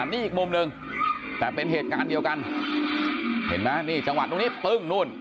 นี่อีกมุมหนึ่งแต่เป็นเหตุการณ์เดียวกันเห็นไหมนี่จังหวะตรงนี้ปึ้งนู่น